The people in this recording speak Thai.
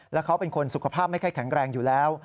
แล้วเขาเป็นคนสุขภาพไม่ค่อยแข็งแรงอยู่แล้ว